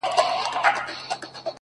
o صدقه دي سم تر تكــو تــورو سترگو ـ